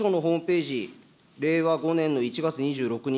外務省のホームページ、令和５年の１月２６日